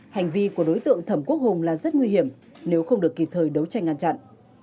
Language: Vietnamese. hành vi của đối tượng thẩm quốc hùng là rất nguy hiểm nếu không được kịp thời đấu tranh ngăn chặn